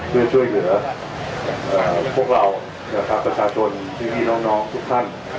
เพื่อช่วยเหลือพวกเรานะครับประชาชนพี่น้องทุกท่าน